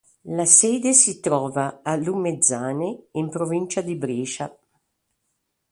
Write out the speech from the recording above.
La sede si trova a Lumezzane, in provincia di Brescia.